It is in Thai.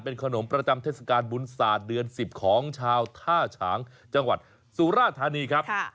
ขนมประจำเทศกาลบุญศาสตร์เดือน๑๐ของชาวท่าฉางจังหวัดสุราธานีครับ